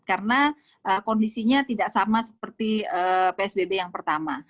karena kondisinya tidak sama seperti psbb yang pertama